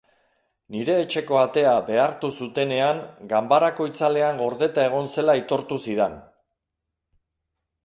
Nire etxeko atea behartu zutenean ganbarako itzaletan gordeta egon zela aitortu zidan.